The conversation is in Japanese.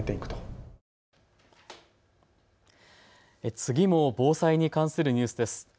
次も防災に関するニュースです。